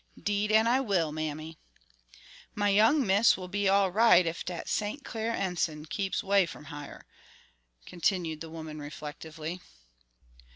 "'Deed an' I will, mammy." "My young Miss will be all right ef dat St. Clair Enson keeps 'way from hyar," continued the woman reflectively.